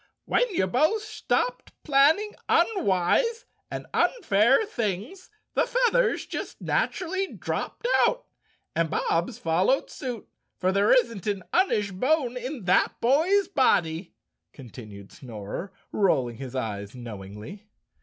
"When you both stopped planning unwise and unfair things the feathers just naturally dropped out, and Bob's fol¬ lowed suit, for there isn't an unish bone in that boy's body," continued Snorer, rolling his eyes knowingly.